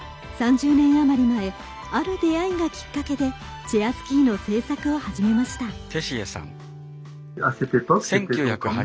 ３０年あまり前ある出会いがきっかけでチェアスキーの製作を始めました。